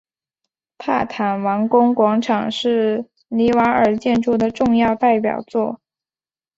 帕坦王宫广场是尼瓦尔建筑的重要代表作。